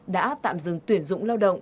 đã tạm dừng tuyển dụng lao động